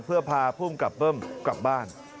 เพื่อพาภูมิกับเบิ้มกลับบ้าน